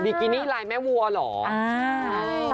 กินี่ลายแม่วัวเหรอ